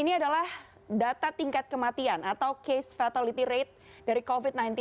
ini adalah data tingkat kematian atau case fatality rate dari covid sembilan belas hingga tiga belas juli dua ribu dua puluh